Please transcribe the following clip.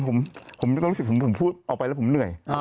ผมรู้สึกผมพูดออกไปแล้วผมเหนื่อย